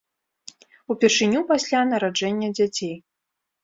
Упершыню пасля нараджэння дзяцей.